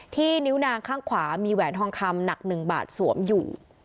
นิ้วนางข้างขวามีแหวนทองคำหนัก๑บาทสวมอยู่